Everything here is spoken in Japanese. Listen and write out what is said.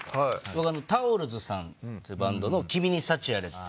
僕タオルズさんってバンドの『君に幸あれ』って。